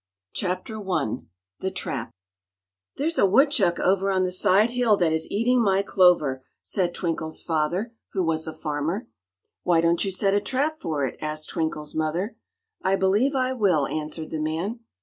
66 Chapter I The Trap "THERE'S a woodchuck over on the side hill that is eating my clover," said Twinkle's father, who was a farmer. "Why don't you set a trap for it?" asked Twinkle's mother. "I believe I will," answered the man.